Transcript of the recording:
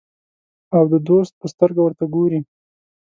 او د دوست په سترګه ورته ګوري.